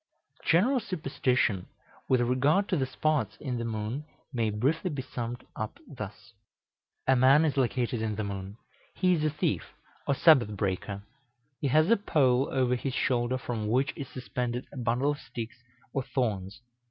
}] The general superstition with regard to the spots in the moon may briefly be summed up thus: A man is located in the moon; he is a thief or Sabbath breaker; he has a pole over his shoulder, from which is suspended a bundle of sticks or thorns.